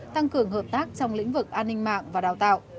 tăng cường hợp tác trong lĩnh vực an ninh mạng và đào tạo